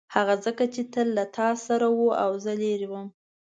هغه ځکه چې تل له تا سره و او زه لیرې وم.